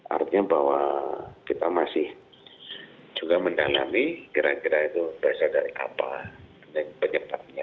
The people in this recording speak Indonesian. artinya bahwa kita masih juga mendalami kira kira itu berasal dari apa penyebabnya